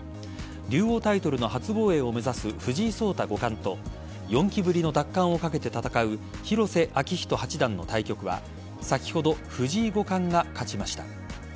竜王タイトルの初防衛を目指す藤井聡太五冠と４期ぶりの奪還を懸けて戦う広瀬章人八段の対局は先ほど藤井五冠が勝ちました。